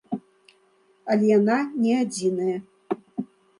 Але яна не адзіная.